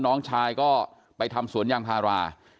น้องชายก็ไปทำสวนยางพารา